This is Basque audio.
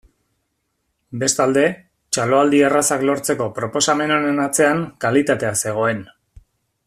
Bestalde, txaloaldi errazak lortzeko proposamen honen atzean kalitatea zegoen.